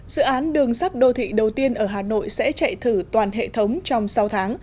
dự án đường sắt đô thị đầu tiên ở hà nội sẽ chạy thử toàn hệ thống trong sáu tháng